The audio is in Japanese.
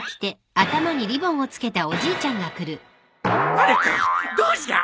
まる子どうじゃ！